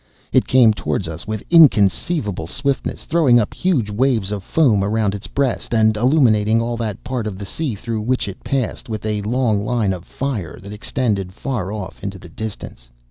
It came toward us with inconceivable swiftness, throwing up huge waves of foam around its breast, and illuminating all that part of the sea through which it passed, with a long line of fire that extended far off into the distance.